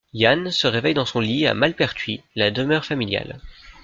Yann se réveille dans son lit à Malpertuis, la demeure familiale.